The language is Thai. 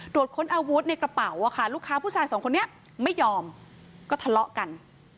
ค้นอาวุธในกระเป๋าอะค่ะลูกค้าผู้ชายสองคนนี้ไม่ยอมก็ทะเลาะกัน